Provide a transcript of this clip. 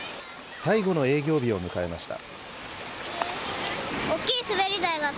最後の営業日を迎えました。